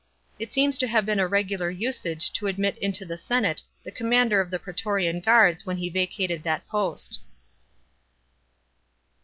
It seems to have been a regular usage to admit into the senate the commander of the praetorian guards when he vacated that post.